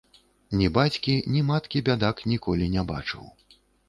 Ні бацькі, ні маткі бядак ніколі не бачыў.